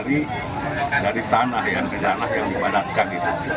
dibuat dari tanah yang dibanatkan